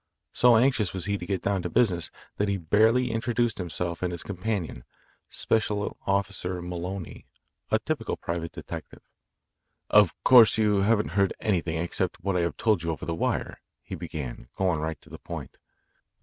So anxious was he to get down to business that he barely introduced himself and his companion, Special Officer Maloney, a typical private detective. "Of course you haven't heard anything except what I have told you over the wire," he began, going right to the point.